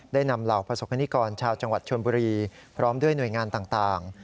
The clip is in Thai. นำเหล่าประสบคณิกรชาวจังหวัดชนบุรีพร้อมด้วยหน่วยงานต่าง